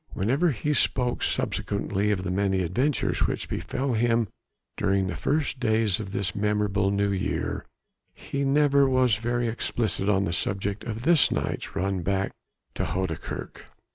Whenever he spoke subsequently of the many adventures which befell him during the first days of this memorable New Year, he never was very explicit on the subject of this night's run back to Houdekerk.